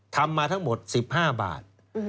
ทำมาทั้งหมด๑๕บาท